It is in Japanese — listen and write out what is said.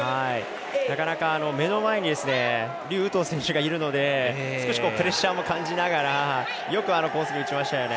なかなか目の前に劉禹とう選手がいるので少しプレッシャーも感じながらよくあのコースに打ちましたよね。